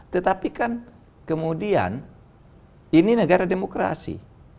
tetapi kan kemudian ini negara demokrasi